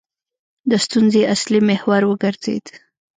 د ستونزې اصلي محور وګرځېد.